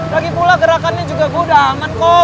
lagipula gerakannya juga gue udah aman kok